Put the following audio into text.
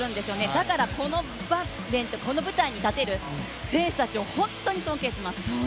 だから、この舞台に立てる選手たちを本当に尊敬します。